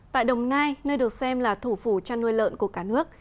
tại đồng nai nơi được xem là thủ phủ chăn nuôi lợn của cả nước